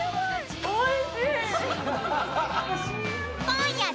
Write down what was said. おいしい！